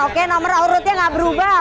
oke nomor urutnya nggak berubah